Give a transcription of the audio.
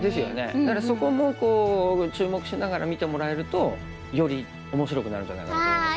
だからそこも注目しながら見てもらえるとより面白くなるんじゃないかなと思いますよ。